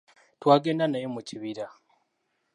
Twagenda naye mu kibira.